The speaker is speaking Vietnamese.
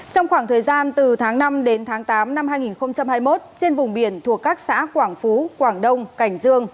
trong khoảng thời gian từ tháng năm đến tháng tám năm hai nghìn hai mươi một trên vùng biển thuộc các xã quảng phú quảng đông cảnh dương